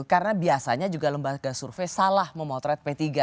karena biasanya juga lembaga survei salah memotret p tiga